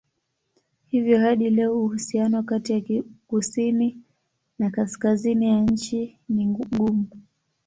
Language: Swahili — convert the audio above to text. Hivyo hadi leo uhusiano kati ya kusini na kaskazini ya nchi ni mgumu.